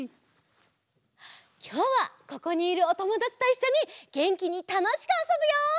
きょうはここにいるおともだちといっしょにげんきにたのしくあそぶよ！